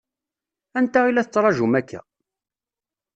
Anta i la tettṛaǧum akka?